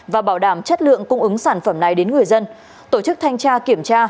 và bảo đảm chất lượng cung ứng sản phẩm này đến người dân tổ chức thanh tra kiểm tra